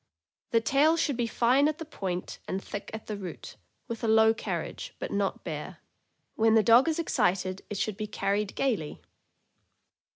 The tail should be fine at the point and thick at the root, with a low carriage, but not bare. When the dog is excited, it should be carried gaily.